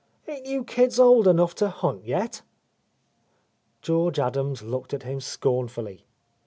Ain't you kids old enough to hunt yet?" George Adams looked at him scornfully.